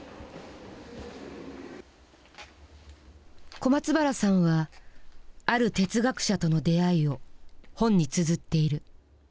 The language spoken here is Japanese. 小松原さんはある哲学者との出会いを本につづっている。